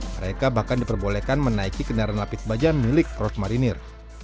mereka bahkan diperbolehkan menaiki kendaraan lapis bajan milik cross marinir